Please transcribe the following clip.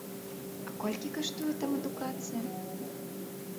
А колькі каштуе там адукацыя?